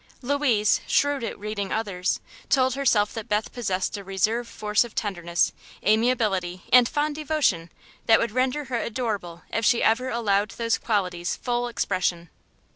Louise, shrewd at reading others, told herself that Beth possessed a reserve force of tenderness, amiability and fond devotion that would render her adorable if she ever allowed those qualities full expression.